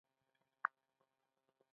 د شاګردانو لپاره بې ګټې هم نه دي.